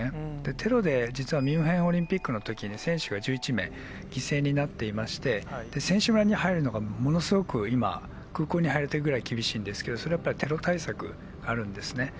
テロで実はミュンヘンオリンピックのときに選手が１１名犠牲になっていまして、選手村に入るのがものすごく今、空港に入るときくらい厳しいんですけど、それはやっぱりテロ対策あるんですね。